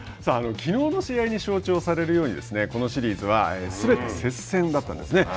きのうの試合に象徴されるようにこのシリーズはすべて接戦だったんですね。